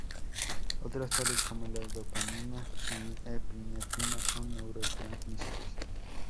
Otras, tales como la dopamina y epinefrina son neurotransmisores.